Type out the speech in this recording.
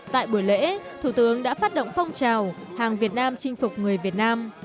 tại buổi lễ thủ tướng đã phát động phong trào hàng việt nam chinh phục người việt nam